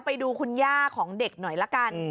ไปดูคุณย่าของเด็กหน่อยละกัน